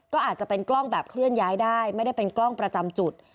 ก็อาจจะเป็นกล้องแบบเคลื่อนย้ายได้ไม่ได้เป็นกล้องประจำจุด